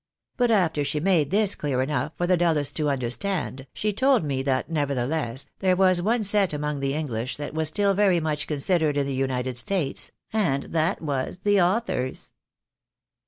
But after she made this clear enough for the dullest to understand, she told me that nevertheless there was one set among the English that was still very much considered in the United States, and that was the authors."